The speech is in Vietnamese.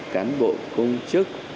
cán bộ công chức